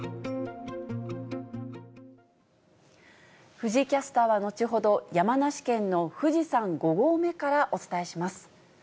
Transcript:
藤井キャスターは後ほど、山梨県の富士山５合目からお伝えします。